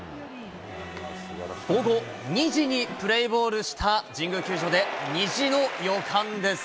午後ニジにプレーボールした神宮球場でニジの予感です。